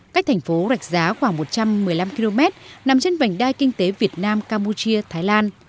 cách thành phố rạch giá khoảng một trăm một mươi năm km nằm trên vành đai kinh tế việt nam campuchia thái lan